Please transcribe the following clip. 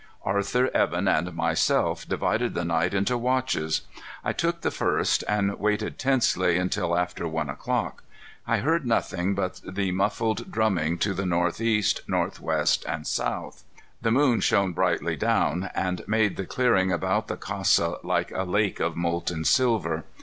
Arthur, Evan, and myself divided the night into watches. I took the first, and waited tensely until after one o'clock. I heard nothing but the muffled drumming to the northeast, northwest, and south. The moon shone brightly down and made the clearing about the casa like a lake of molten silver.